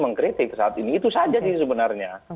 mengkritik saat ini itu saja sih sebenarnya